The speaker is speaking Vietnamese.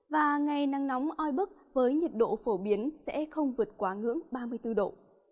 và ngày nắng nóng oi bức với nhiệt độ phổ biến sẽ không vượt quá ngưỡng ba mươi bốn độ